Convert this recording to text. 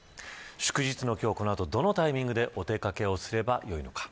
祝日の今日この後、どのタイミングでお出掛けをすればよいのか。